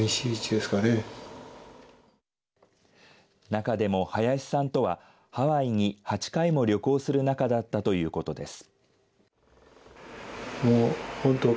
中でも林さんとはハワイに８回も旅行する中だったということです。